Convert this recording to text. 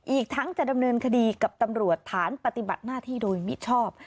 อีกทั้งจะดำเนินคดีกับตำรวจฐานปฏิบัติหน้าที่โดยมิชอบ